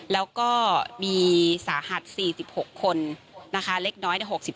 แล้วก็มีสาหัส๔๖คนนะคะเล็กน้อย๖๔